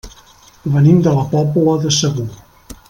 Venim de la Pobla de Segur.